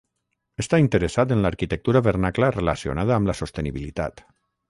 Està interessat en l'arquitectura vernacla relacionada amb la sostenibilitat.